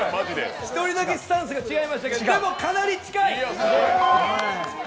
１人だけスタンスが違いましたけどかなり近い！